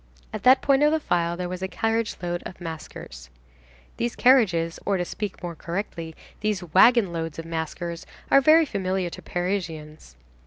At that point of the file there was a carriage load of maskers. These carriages, or to speak more correctly, these wagon loads of maskers are very familiar to Parisians.